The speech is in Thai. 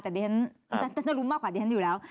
แต่ดิฉันจะรู้มากกว่าดิฉันอยู่แล้ว